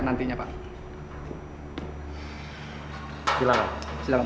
nasir kamu pelipu